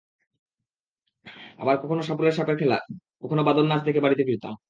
আবার কখনো সাপুড়ের সাপের খেলা, কখনো বাঁদর নাচ দেখে বাড়িতে ফিরতাম।